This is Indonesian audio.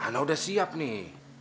ana udah siap nih